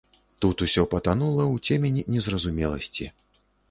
Тут усё патанула ў цемень незразумеласці.